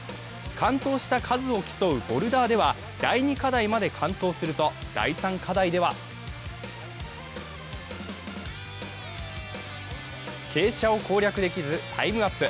完登した数を競うボルダーでは第２課題まで完登すると、第３課題では傾斜を攻略できず、タイムアップ。